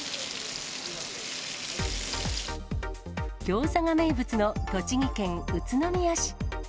ギョーザが名物の栃木県宇都宮市。